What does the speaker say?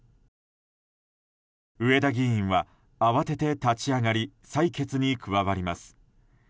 上田議員は慌てて立ち上がり採決に加わります。